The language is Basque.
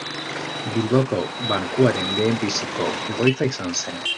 Bilboko Bankuaren lehenbiziko egoitza izan zen.